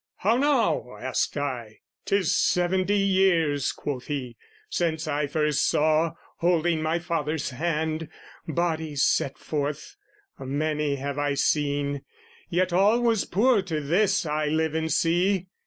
"How now?" asked I. "'Tis seventy years," quoth he, "Since I first saw, holding my father's hand, "Bodies set forth: a many have I seen, "Yet all was poor to this I live and see.